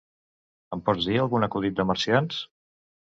Ens pots dir algun acudit de marcians?